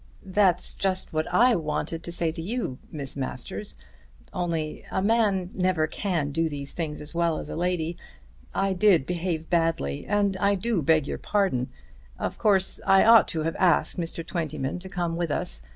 "That's just what I wanted to say to you, Miss Masters, only a man never can do those things as well as a lady. I did behave badly, and I do beg your pardon. Of course I ought to have asked Mr. Twentyman to come with us.